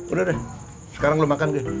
udah deh sekarang lo makan deh